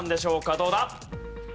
どうだ？